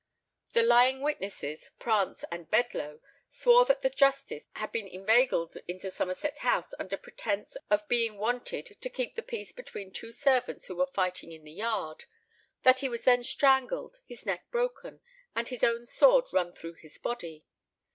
The lying witnesses, Prance and Bedloe, swore that the justice had been inveigled into Somerset House under pretence of being wanted to keep the peace between two servants who were fighting in the yard; that he was then strangled, his neck broken, and his own sword run through his body.